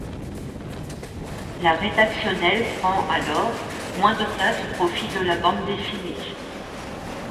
La rédactionnel prend alors moins de place au profit de la bande dessinée.